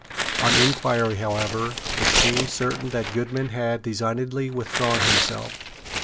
On inquiry however it seemed certain that Goodman had designedly withdrawn himself.